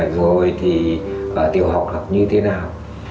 rồi thì tiểu học học như thế nào